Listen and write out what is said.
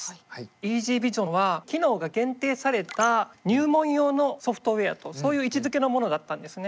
ＥＺＶｉｓｉｏｎは機能が限定された入門用のソフトウェアとそういう位置づけのものだったんですね。